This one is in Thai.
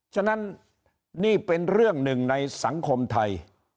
ฉะนั้นนี่เป็นเรื่องหนึ่งในสังคมไทย